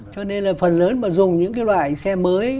cho nên là phần lớn mà dùng những cái loại xe mới